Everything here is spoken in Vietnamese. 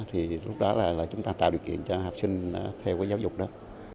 thì lúc đó là chúng ta tạo điều kiện cho học sinh theo cái giáo dục đó